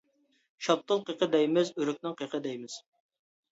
شاپتۇل قېقى دەيمىز، ئۆرۈكنىڭ قېقى دەيمىز.